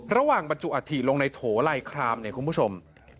ระหว่างบรรจุอธิลงในโถไลครามเนี่ยคุณผู้ชม